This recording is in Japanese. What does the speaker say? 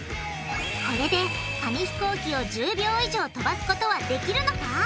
これで紙ひこうきを１０秒以上飛ばすことはできるのか？